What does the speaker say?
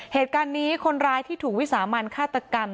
เหตุการณ์นี้คนร้ายที่ถูกวิสามันฆาตกรรม